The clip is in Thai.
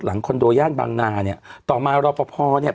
หลังคอนโดย่านบางนาเนี้ยต่อมาเราพอเนี้ย